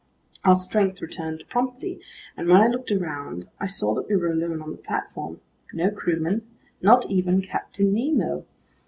Our strength returned promptly, and when I looked around, I saw that we were alone on the platform. No crewmen. Not even Captain Nemo.